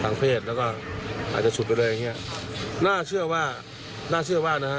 เพศแล้วก็อาจจะฉุดไปเลยอย่างเงี้ยน่าเชื่อว่าน่าเชื่อว่านะฮะ